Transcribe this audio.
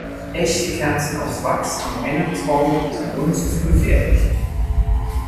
Echte Kerzen aus Wachs am Weihnachtsbaum sind uns zu gefährlich.